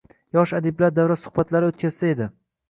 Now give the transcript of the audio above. Yosh adiblar davra suhbatlari o‘tkazsa edi.